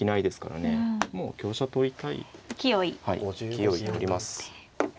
勢いで取ります。